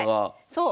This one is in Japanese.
そう。